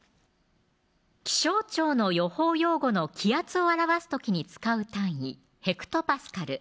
気象庁の予報用語の気圧を表す時に使う単位・ヘクトパスカル